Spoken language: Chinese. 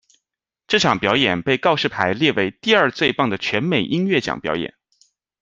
这场表演被告示牌列为第二最棒的全美音乐奖表演。